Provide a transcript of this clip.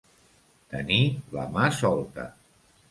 Tenir la mà solta.